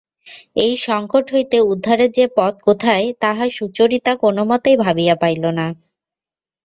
এই সংকট হইতে উদ্ধারের যে পথ কোথায় তাহা সুচরিতা কোনোমতেই ভাবিয়া পাইল না।